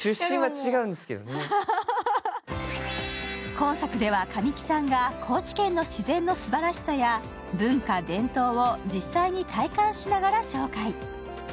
今作では神木さんが高知県の自然のすばらしさや文化、伝統を実際に体感しながら紹介。